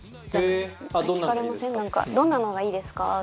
どんなのがいいですか？